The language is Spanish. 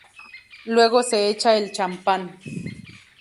Luego se echa el champán.